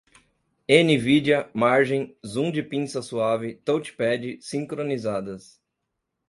nvidia, margem, zoom de pinça suave, touchpad, sincronizadas